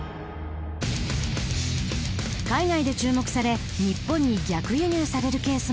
海外で注目され日本に逆輸入されるケースもある。